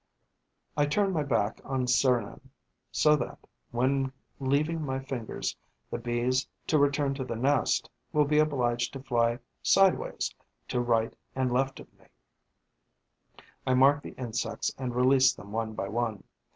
I turn my back on Serignan, so that, when leaving my fingers, the Bees, to return to the nest, will be obliged to fly sideways, to right and left of me; I mark the insects and release them one by one.